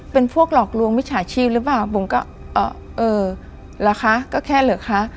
เป็นพวกหลอกลวงมิจฉาชีพหรือเปล่าบุ๋มก็เออเหรอคะก็แค่เหรอคะ